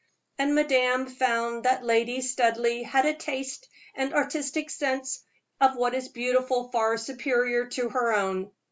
And madame found that Lady Studleigh had a taste and artistic sense of what is beautiful far superior to her own.